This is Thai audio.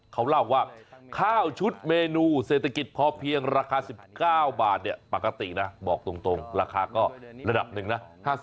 เขาเล่าว่าข้าวชุดเมนูเศรษฐกิจพอเพียงราคา๑๙บาทปกตินะบอกตรงราคาก็ระดับหนึ่งนะ